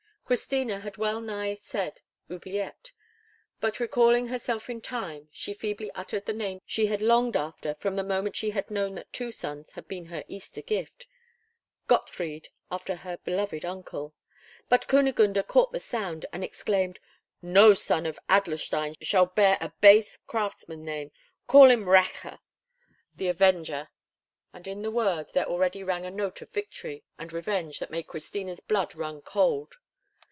Christina had well nigh said, "Oubliette," but, recalling herself in time, she feebly uttered the name she had longed after from the moment she had known that two sons had been her Easter gift, "Gottfried," after her beloved uncle. But Kunigunde caught the sound, and exclaimed, "No son of Adlerstein shall bear abase craftsman's name. Call him Rächer (the avenger);" and in the word there already rang a note of victory and revenge that made Christina's blood run cold.